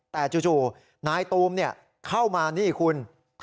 แต่จู่นายตูมเข้ามานี่คุณ